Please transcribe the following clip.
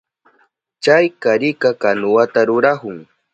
Chay karika kanuwata rurahun.